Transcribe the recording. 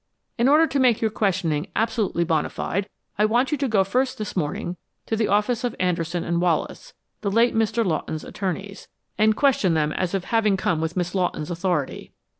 In order to make your questioning absolutely bona fide, I want you to go first this morning to the office of Anderson & Wallace, the late Mr. Lawton's attorneys, and question them as if having come with Miss Lawton's authority.